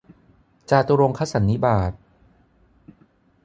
จาตุรงคสันนิบาต